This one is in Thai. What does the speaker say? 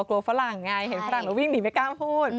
กลัวฝรั่งไงเห็นฝรั่งหนูวิ่งหนีไม่กล้ามโฆษย์